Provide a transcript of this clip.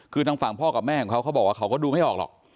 คือทางฝั่งพ่อกับแม่ของเขาเขาบอกว่าเขาก็ดูไม่ออกหรอก